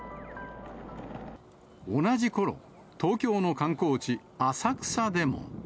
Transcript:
同じころ、東京の観光地、浅草でも。